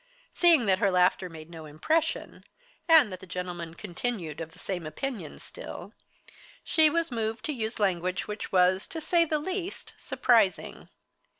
Seeing that her laughter made no impression, and that the gentleman continued of the same opinion still, she was moved to use language which was, to say the least, surprising.